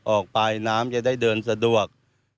ออกไปน้ำจะได้เดินสะดวก